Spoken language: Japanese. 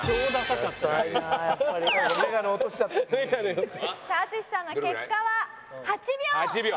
さあ淳さんの結果は８秒。